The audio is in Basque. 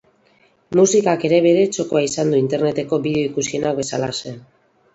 Musikak ere bere txokoa izan du interneteko bideo ikusienak bezalaxe.